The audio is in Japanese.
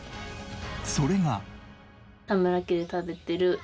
それが。